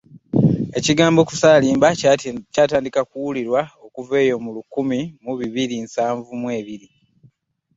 Ekigambo “Kusaalimba” kyatandika okuwulirwa okuva eyo mu lukumi mu bibiri nsanvu mu ebiri.